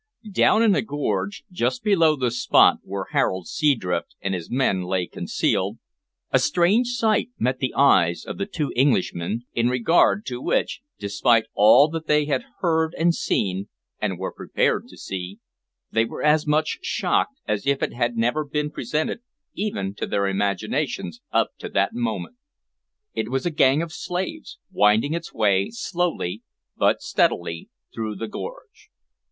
Down in a gorge, just below the spot where Harold Seadrift and his men lay concealed, a strange sight met the eyes of the two Englishmen, in regard to which, despite all that they had heard and seen, and were prepared to see, they were as much shocked as if it had never been presented even to their imaginations up to that moment. It was a gang of slaves winding its way slowly but steadily through the gorge.